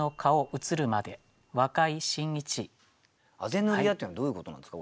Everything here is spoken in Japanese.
「畦塗るや」っていうのはどういうことなんですか？